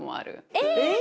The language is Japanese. えっ！